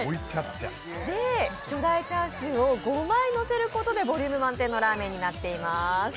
巨大チャーシューを５枚のせることでボリューム満点なラーメンになっています。